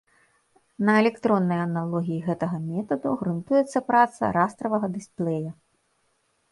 На электроннай аналогіі гэтага метаду грунтуецца праца растравага дысплея.